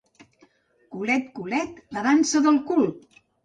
Culet culet, la dansa del cul!